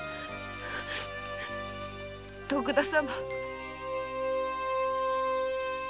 徳田様。